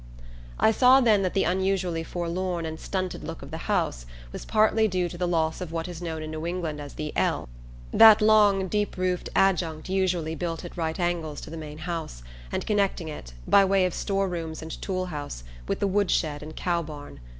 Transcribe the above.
I saw then that the unusually forlorn and stunted look of the house was partly due to the loss of what is known in New England as the "L": that long deep roofed adjunct usually built at right angles to the main house, and connecting it, by way of storerooms and tool house, with the wood shed and cow barn.